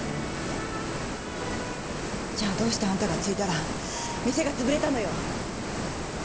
じゃあどうしてあんたが継いだら店がつぶれたのよ